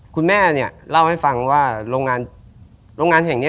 คุณแม่เนี่ยเล่าให้ฟังว่าโรงงานโรงงานแห่งนี้